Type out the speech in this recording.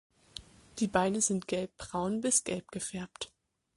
Die Beine sind gelbbraun bis gelb gefärbt.